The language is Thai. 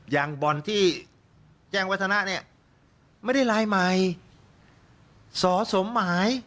อย่างบ่อนที่แจ้งวัฒนะเนี่ยไม่ได้ลายใหม่สอสมหมาย